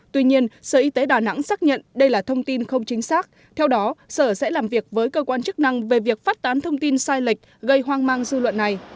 tuy nhiên sở y tế đà nẵng xác nhận đây là thông tin không chính xác theo đó sở sẽ làm việc với cơ quan chức năng về việc phát tán thông tin sai lệch gây hoang mang dư luận này